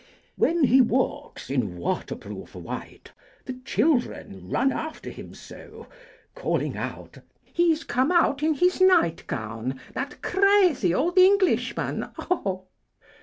When he walks in waterproof white, The children run after him so! Calling out, "He's come out in his night Gown, that crazy old Englishman, oh!"